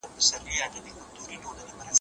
د دنيا ژوند لنډ او فاني دی.